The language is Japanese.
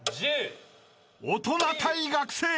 ［大人対学生］